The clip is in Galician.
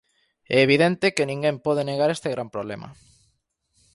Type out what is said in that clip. É evidente que ninguén pode negar este gran problema.